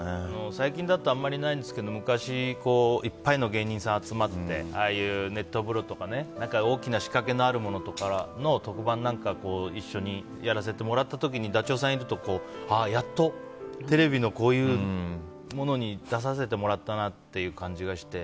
最近だとあまりないですけど昔いっぱいの芸人さんが集まってああいう熱湯風呂とか大きな仕掛けがあるものの特番なんか一緒にやらせてもらった時にダチョウさんいるとやっと、テレビのこういうものに出させてもらったなという感じがして。